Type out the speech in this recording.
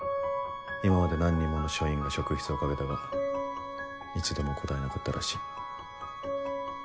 今まで何人もの署員が職質をかけたが一度も答えなかったらしい。